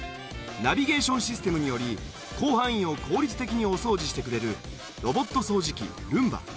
ナビゲーションシステムにより広範囲を効率的にお掃除してくれるロボット掃除機Ｒｏｏｍｂａ。